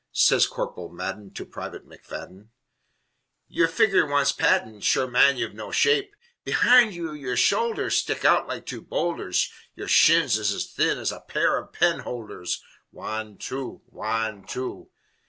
Sez Corporal Madden to Private McFadden: "Yer figger wants padd'n Sure, man, ye've no shape! Behind ye yer shoulders Stick out like two bowlders; Yer shins is as thin As a pair of pen holders! Wan two! Wan two!